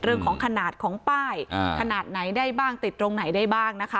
เรื่องของขนาดของป้ายขนาดไหนได้บ้างติดตรงไหนได้บ้างนะคะ